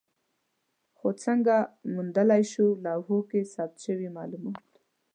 خو څنګه موندلای شو لوحو کې ثبت شوي مالومات؟